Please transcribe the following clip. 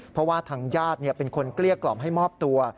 เพราะว่าทางญาติเป็นคนเกลี้ยกล่อมให้มอบตัว